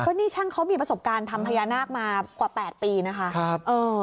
นี่ช่างเขามีประสบการณ์ทำพญานาคมากว่า๘ปีนะคะ